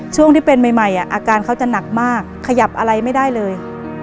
ช่วงที่เป็นใหม่อาการเขาจะหนักมากขยับอะไรไม่ได้เลย